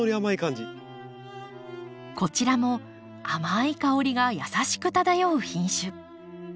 こちらも甘い香りが優しく漂う品種。